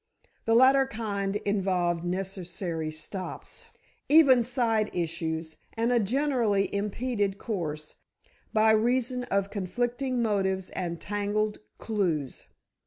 The latter kind involved necessary stops, even side issues, and a generally impeded course, by reason of conflicting motives and tangled clues.